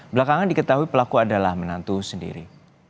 belakangan diketahui pelaku adalah menantu sendiri